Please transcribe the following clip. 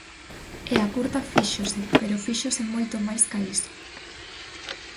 E a curta fíxose, pero fíxose moito máis ca iso.